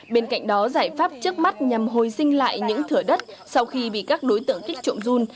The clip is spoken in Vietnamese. bên cạnh đó giải pháp trước mắt nhằm hồi sinh lại những thửa đất sau khi bị các đối tượng kích trộm run